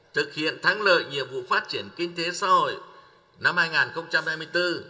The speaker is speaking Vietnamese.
thực hiện thắng lợi nhiệm vụ phát triển kinh tế xã hội năm hai nghìn hai mươi bốn